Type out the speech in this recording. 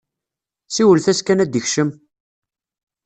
Siwlet-as kan ad d-ikcem!